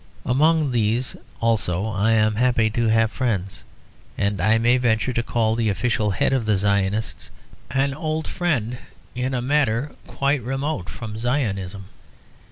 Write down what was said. Among these also I am happy to have friends; and I may venture to call the official head of the Zionists an old friend in a matter quite remote from Zionism.